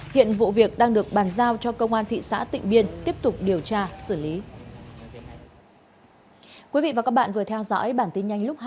hiện vụ việc đang được bàn giao cho công an thị xã tịnh biên tiếp tục điều tra xử lý